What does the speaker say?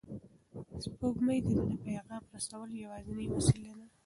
سپوږمۍ د ده د پیغام رسولو یوازینۍ وسیله ده.